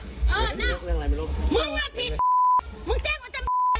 มึงอ่ะผิดมึงแจ้งตำรวจมาอะไรอ่ะ